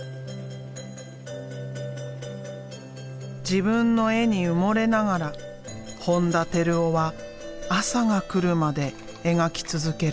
自分の絵に埋もれながら本田照男は朝が来るまで描き続ける。